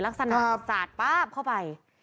ลักษณะสาดป๊าบเข้าไป